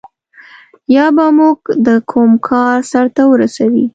یا به موږ ته کوم کار سرته ورسوي.